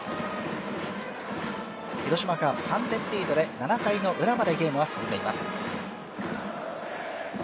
広島カープ、３点リードで７回ウラまで進んでいます。